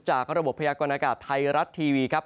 จากระบบพยากรณากาศไทยรัฐทีวีครับ